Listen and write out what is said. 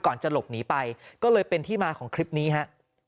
จะหลบหนีไปก็เลยเป็นที่มาของคลิปนี้ฮะ